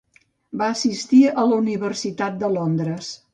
Va assistir a la Universitat de Londres.